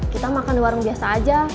kita makan di warung biasa aja